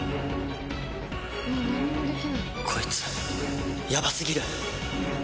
こいつ、やばすぎる。